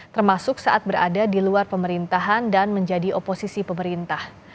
termasuk saat berada di luar pemerintahan dan menjadi oposisi pemerintah